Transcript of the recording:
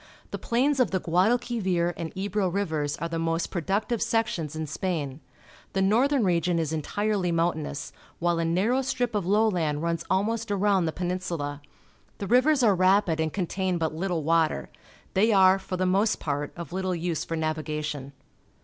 The plains of the Guadalquivir and Eb7 o Rivers are the most productive sections in Spain. The northern region is entirely momitainous, while a narrow strip of lowland runs almost around the Peninsula. The rivers are rapid and contain but Uttle water. They are, for the most part, of httle use for navigation.